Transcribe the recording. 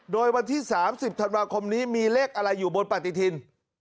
โดยวันที่๓๐ธันวาคมนี้มีเลขอะไรอยู่บนปฏิทิน